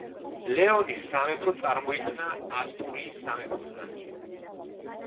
ლეონის სამეფო წარმოიქმნა ასტურიის სამეფოსგან.